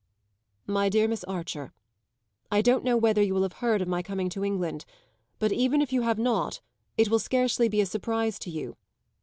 MY DEAR MISS ARCHER I don't know whether you will have heard of my coming to England, but even if you have not it will scarcely be a surprise to you.